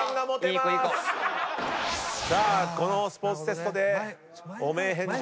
さあこのスポーツテストで汚名返上。